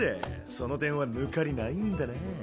その点は抜かりないんだなぁ。